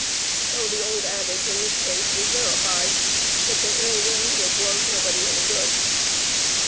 So the old adage, in this case, was verified "It's an ill wind that blows nobody any good."